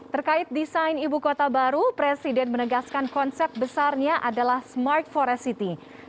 terkait desain ibu kota baru presiden menegaskan konsep besarnya adalah smart forest city